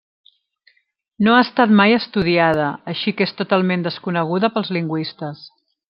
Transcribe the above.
No ha estat mai estudiada, així que és totalment desconeguda pels lingüistes.